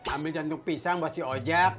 ambil jantung pisang buat si ojak